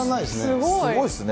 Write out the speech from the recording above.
すごいですね。